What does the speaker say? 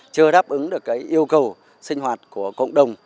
chưa đáp ứng được cái yêu cầu sinh hoạt của cộng đồng